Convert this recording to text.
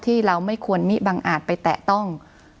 ที่เราไม่ควรมิบังอาจไปแตะต้อง